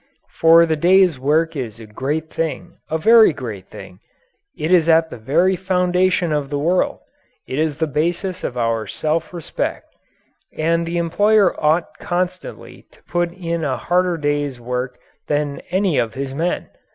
For the day's work is a great thing a very great thing! It is at the very foundation of the world; it is the basis of our self respect. And the employer ought constantly to put in a harder day's work than any of his men.